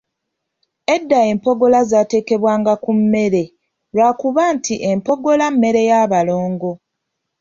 Edda empogola zaatekebwanga ku mmere lwa kuba nti empogola mmere ya Balongo.